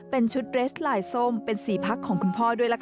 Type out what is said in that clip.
เป็นชุดเรสลายส้มเป็นสีพักของคุณพ่อด้วยล่ะค่ะ